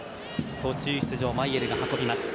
途中出場、マイェルが運びます。